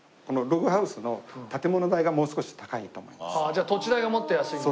じゃあ土地代がもっと安いんだ。